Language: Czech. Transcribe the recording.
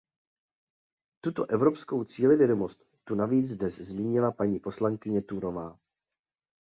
Tuto evropskou cílevědomost tu navíc dnes zmínila paní poslankyně Thunová.